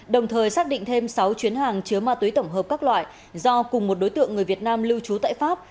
đồng thời xác định thêm sáu chuyến hàng chứa ma túy tổng hợp các loại do cùng một đối tượng người việt nam lưu trú tại pháp